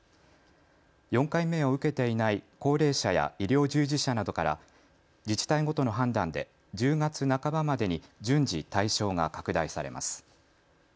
４回目を受けていない高齢者や医療従事者などから自治体ごとの判断で１０月半ばまでに順次、対象が拡大されます。